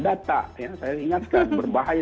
data saya ingatkan berbahaya